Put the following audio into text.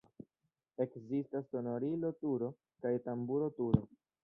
Ekzistas sonorilo-turo kaj tamburo-turo.